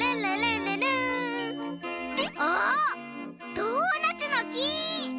ドーナツのき！